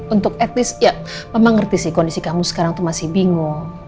untuk at least ya mama ngerti sih kondisi kamu sekarang tuh masih bingung